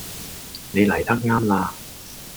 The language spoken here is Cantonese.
你黎得岩啦